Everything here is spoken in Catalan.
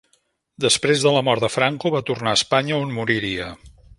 Després de la mort de Franco va tornar a Espanya, on moriria.